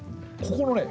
ここのね